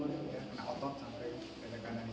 ya kena otot sampai dada kanan itu